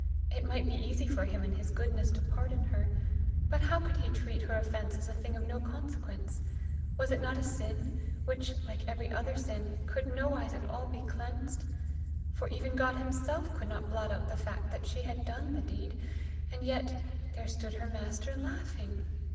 It might be easy for him in his goodness to pardon her, but how could he treat her offense as a thing of no consequence? Was it not a sin, which, like every other sin, could nowise at all be cleansed? For even God himself could not blot out the fact that she had done the deed! And yet, there stood her master laughing!